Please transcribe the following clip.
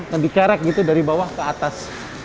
akan dikerek gitu dari bawah ke atas